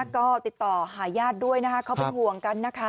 ก็ติดต่อหาญาติด้วยนะคะเขาเป็นห่วงกันนะคะ